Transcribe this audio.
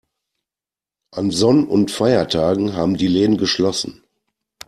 An Sonn- und Feiertagen haben die Läden geschlossen.